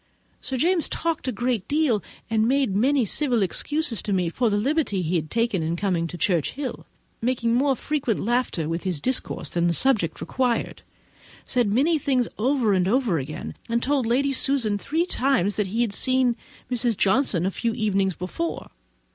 Sir James talked a great deal, and made many civil excuses to me for the liberty he had taken in coming to Churchhill—mixing more frequent laughter with his discourse than the subject required—said many things over and over again, and told Lady Susan three times that he had seen Mrs. Johnson a few evenings before.